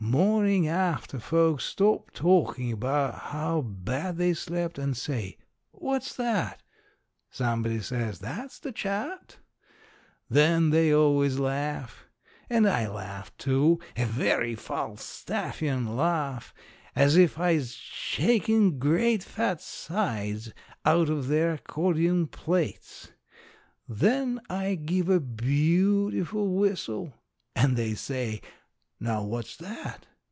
Mornin' after folks stop talkin' 'bout how bad they slept and say, "What's that?" somebody says, "That's the Chat." Then they always laugh. And I laugh, too a very Falstaffian laugh, as if I'se shakin' great fat sides out of their accordion plaits. Then I give a beautiful whistle. And they say, "Now, what's that?"